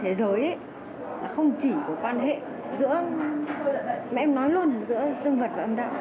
thế là trên thế giới là không chỉ có quan hệ giữa mẹ em nói luôn giữa sinh vật và âm đạo